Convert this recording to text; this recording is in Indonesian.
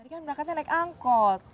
ini kan berangkatnya naik angkot